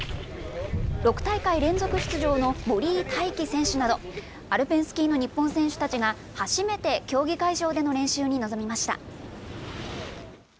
６大会連続出場の森井大輝選手など、アルペンスキーの日本選手たちが、初めて競技会場での練習に臨みました。